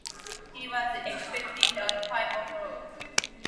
He was expected at five o’clock.